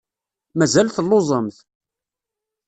Mazal telluẓemt?